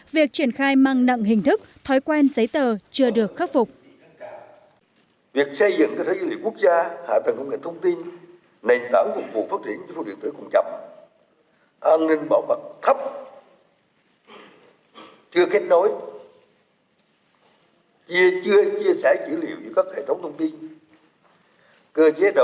việc triển khai mang nặng hình thức thói quen giấy tờ chưa được khắc phục